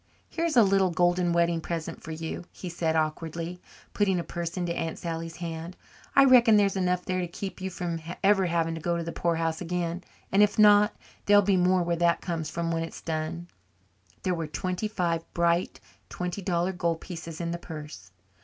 "Here's a little golden wedding present for you," he said awkwardly, putting a purse into Aunt Sally's hand. "I reckon there's enough there to keep you from ever having to go to the poorhouse again and if not, there'll be more where that comes from when it's done." There were twenty five bright twenty dollar gold pieces in the purse.